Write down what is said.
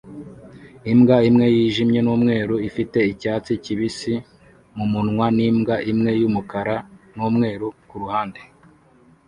Imbwa imwe yijimye numweru ifite icyatsi kibisi mumunwa nimbwa imwe yumukara numweru kuruhande